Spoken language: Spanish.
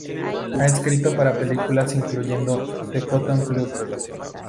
Ha escrito para películas, incluyendo"The Cotton Club".